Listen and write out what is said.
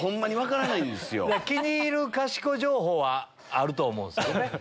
気に入るかしこ情報はあると思うんですけどね。